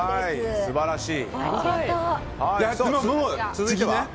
素晴らしい。